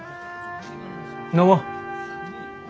飲もう。